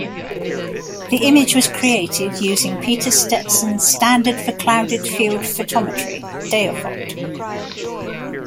The image was created using Peter Stetson standard for clouded-field photometry, Daophot.